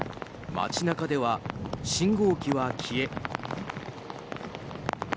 町中では信号機は消え。